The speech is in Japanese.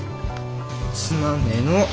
つまんねえの。